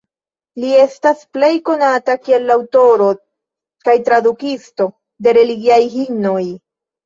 Li estas plej konata kiel la aŭtoro kaj tradukisto de religiaj himnoj.